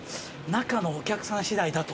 中のお客さん次第だと。